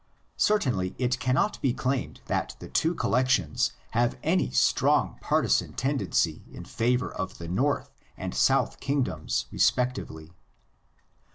Certainly it cannot be claimed that the two collections have any strong partizan ten dency in favor of the north and south kingdoms respectively.